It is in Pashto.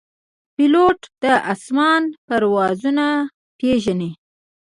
پیلوټ د آسمان پړاوونه پېژني.